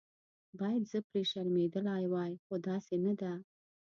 باید زه پرې شرمېدلې وای خو داسې نه ده.